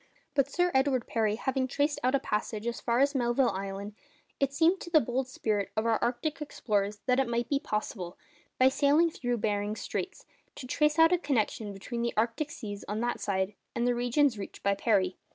But Sir Edward Parry having traced out a passage as far as Melville Island, it seemed to the bold spirit of our arctic explorers that it might be possible, by sailing through Behring's Straits, to trace out a connection between the arctic seas on that side and the regions reached by Parry.